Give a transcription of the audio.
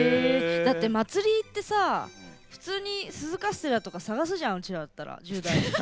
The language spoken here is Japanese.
祭りってさ普通に鈴カステラとか探すじゃんうちらだったら、１０代。